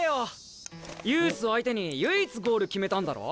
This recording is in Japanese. ユースを相手に唯一ゴール決めたんだろ？